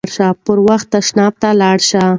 پر وخت تشناب ته لاړ شئ.